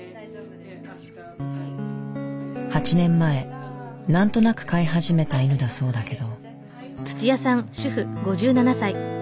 ８年前何となく飼い始めた犬だそうだけど。